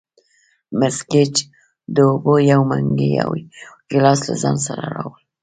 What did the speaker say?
مس ګېج د اوبو یو منګی او یو ګیلاس له ځان سره راوړ.